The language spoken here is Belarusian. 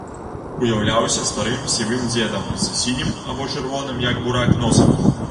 Уяўляўся старым сівым дзедам з сінім або чырвоным, як бурак, носам.